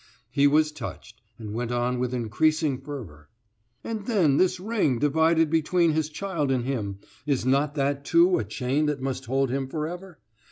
He was touched, and went on with increasing fervor: "And then this ring divided between his child and him, is not that too a chain that must hold him forever?